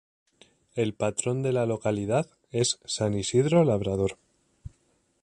El patrón de la localidad es San Isidro Labrador.